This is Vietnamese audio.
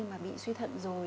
mà bị suy thận rồi